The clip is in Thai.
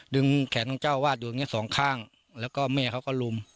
แขนของเจ้าวาดอยู่อย่างเงี้สองข้างแล้วก็แม่เขาก็ลุม